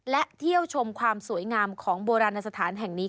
และเที่ยวชมความสวยงามของโบราณสถานแห่งนี้